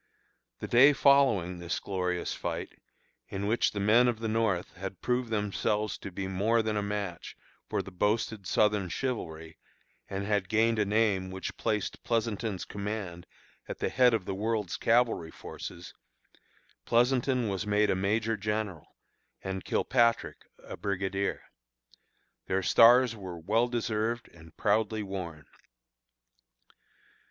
The day following this glorious fight, in which the men of the North had proved themselves to be more than a match for the boasted Southern chivalry, and had gained a name which placed Pleasonton's command at the head of the world's cavalry forces, Pleasonton was made a Major General, and Kilpatrick a Brigadier. Their stars were well deserved and proudly worn.